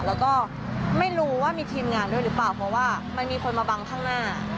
แล้วก็ไม่รู้ว่ามีทีมงานด้วยหรือเปล่าเพราะว่ามันมีคนมาบังข้างหน้า